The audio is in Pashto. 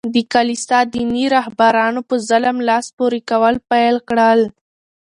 د کلیسا دیني رهبرانو په ظلم لاس پوري کول پېل کړل.